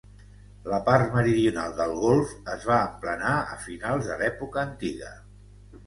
La part meridional del golf es va emplenar a finals de l'època antiga.